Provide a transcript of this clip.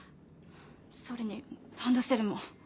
それにランドセルも。